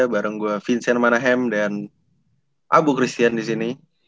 bareng gue vincent manahem dan abu christian disini